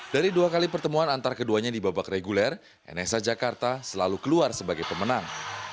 dari dua kali pertemuan antar keduanya di babak reguler nsh jakarta selalu keluar sebagai pemenang